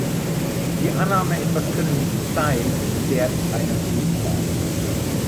Die Annahme, etwas könne nicht sein, entbehrt einer Grundlage.